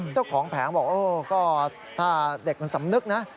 แผงบอกโอ้ก็ถ้าเด็กมันสำนึกนะ